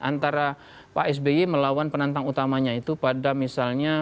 antara pak sby melawan penantang utamanya itu pada misalnya